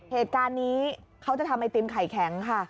เหตุการณ์นี้เขาจะทำไอติมไข่แข็งค่ะ